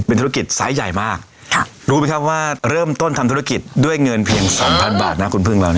เป็นธุรกิจไซส์ใหญ่มากรู้ไหมครับว่าเริ่มต้นทำธุรกิจด้วยเงินเพียง๒๐๐บาทนะคุณพึ่งเรา